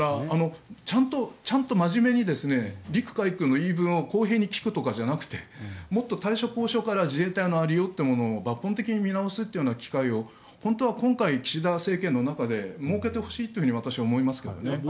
ちゃんと真面目に陸海空の言い分を公平に聞くとかじゃなくてもっと大所高所から自衛隊の有りようというのを抜本的に見直すという機会を本当は今回、岸田政権の中で設けてほしいと私は思いますけどね。